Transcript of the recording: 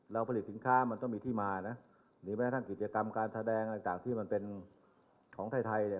เราผลิตสินค้ามันต้องมีที่มานะหรือแม้ท่านกิจกรรมการแสดงอะไรจากที่มันเป็นของไทย